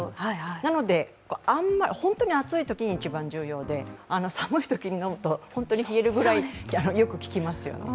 なので本当に暑いときに一番重要で、寒いときに飲むと本当に冷えるぐらいよく効きますよね。